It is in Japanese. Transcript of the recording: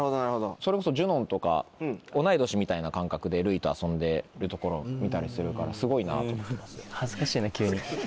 それこそＪＵＮＯＮとか同い年みたいな感覚でＲＵＩと遊んでるところを見たりするからすごいなと思います。